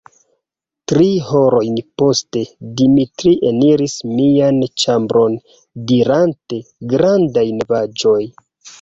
Tri horojn poste, Dimitri eniris mian ĉambron, dirante: "Grandaj novaĵoj!"